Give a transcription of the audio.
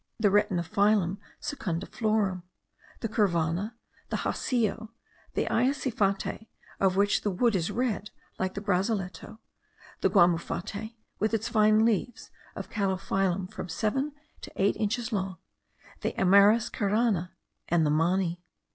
the Retiniphyllum secundiflorum, the curvana, the jacio, the iacifate, of which the wood is red like the brazilletto, the guamufate, with its fine leaves of calophyllum from seven to eight inches long, the Amyris carana, and the mani.